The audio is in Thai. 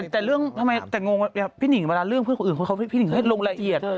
แต่เรื่องพี่หนิ่งเวลาเรื่องเพื่อนคนอื่นพี่หนิ่งให้ลงละเอียด